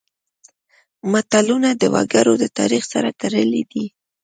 متلونه د وګړو د تاریخ سره تړلي دي